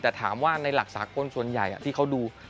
แต่ถามว่าในหลักสากลส่วนใหญ่ที่เขาดู